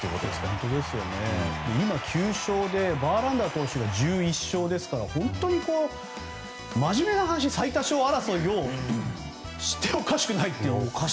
今９勝でバーランダー投手が１１勝ですから本当に真面目に最多勝争いをしてもおかしくないという。